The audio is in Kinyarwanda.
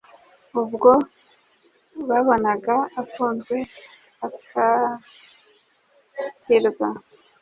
ubwo babonaga afunzwe akarikwa;